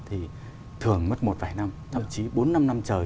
thì thường mất một vài năm thậm chí bốn năm năm trời